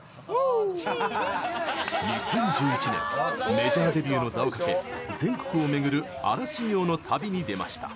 ２０１１年メジャーデビューの座をかけ全国を巡る荒修行の旅に出ました。